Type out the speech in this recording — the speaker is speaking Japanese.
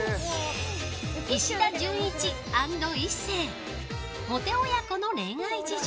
石田純一＆壱成モテ親子の恋愛事情。